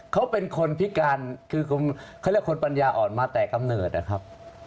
เขาเป็นคนพิการคือเขาเรียกคนปัญญาอ่อนมาแต่กำเนิดนะครับ